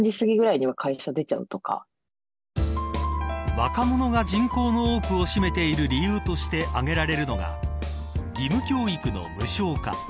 若者が人口の多くを占めている理由として挙げられるのが義務教育の無償化。